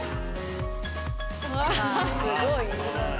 うわすごい。